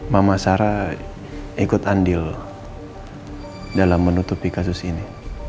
mama sarah ikut andil dalam menutupi kasus ini